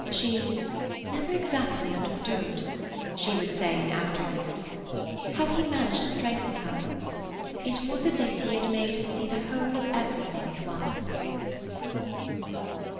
She "never exactly understood," she would say in after years, "how he managed to strengthen her. It was as if he had made her see the whole of everything at once."